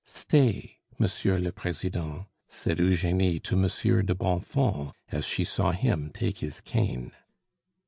"Stay, monsieur le president," said Eugenie to Monsieur de Bonfons as she saw him take his cane.